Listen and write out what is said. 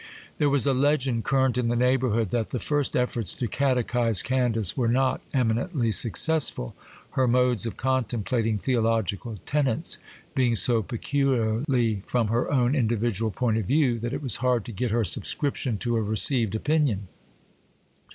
There was a legend current in the neighbourhood, that the first efforts to catechize Candace were not eminently successful, her modes of contemplating theological tenets being so peculiarly from her own individual point of view that it was hard to get her subscription to a received opinion.